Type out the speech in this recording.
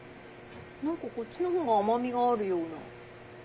何かこっちのほうが甘みがあるような。